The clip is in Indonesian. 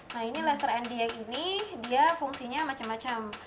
nah ini laser nda ini dia fungsinya macam macam